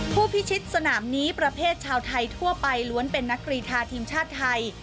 ผู้พิชิตสนามนี้ประเภทชาวไทยทั่วไปล้วนเป็นนักกรีธาทีมชาติไทย